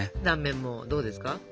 断面もどうですか？